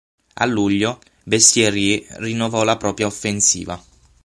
A luglio Bessières rinnovò la propria offensiva.